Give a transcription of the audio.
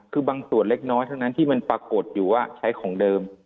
คือบางส่วนเล็กน้อยเท่านั้นที่มันปรากฏอยู่ว่าใช้ของเดิม